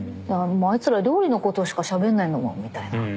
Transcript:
あいつら料理のことしかしゃべんないんだもんみたいな。